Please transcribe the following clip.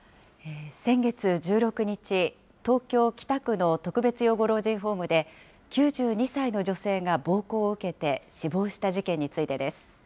先月１６日、東京・北区の特別養護老人ホームで、９２歳の女性が暴行を受けて死亡した事件についてです。